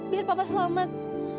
biar papa selamat